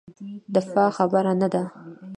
دفاع خبره نه ده.